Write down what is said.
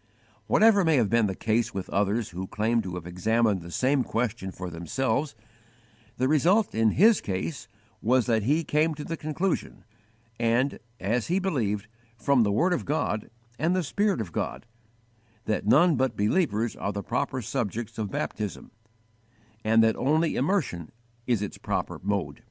"_ Whatever may have been the case with others who claim to have examined the same question for themselves, the result in his case was that he came to the conclusion, and, as he believed, from the word of God and the Spirit of God, that none but believers are the proper subjects of baptism, and that only immersion is its proper mode.